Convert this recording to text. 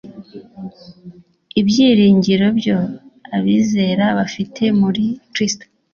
ibyiringiro byo abizera bafite muri Kristo